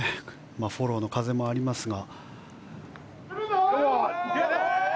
フォローの風もありますが。